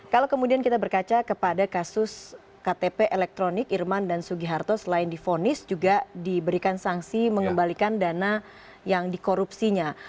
kalau kemudian kita berkaca kepada kasus ktp elektronik irman dan sugiharto selain difonis juga diberikan sanksi mengembalikan dana yang dikorupsinya